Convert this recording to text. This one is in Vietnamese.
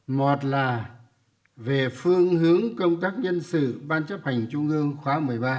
một là về phương hướng công tác nhân sự ban chấp hành trung ương khóa một mươi ba